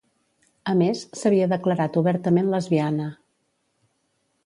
A més, s'havia declarat obertament lesbiana.